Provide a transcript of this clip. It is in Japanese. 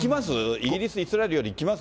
イギリス、イスラエルのようにいきます？